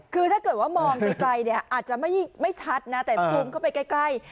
คือถ้าเกิดว่ามองไกลเนี่ยอาจจะไม่ชัดนะแต่ซูมเข้าไปใกล้